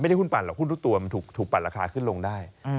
หุ้นปั่นหรอกหุ้นทุกตัวมันถูกปั่นราคาขึ้นลงได้